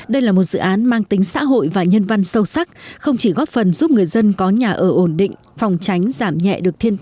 đây là một dự án mang tính xã hội và nhân văn sâu sắc không chỉ góp phần giúp người dân có nhà ở ổn định phòng tránh giảm nhẹ được thiên tai